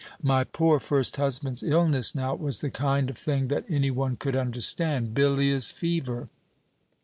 My poor first husband's illness, now, was the kind of thing that any one could understand bilious fever.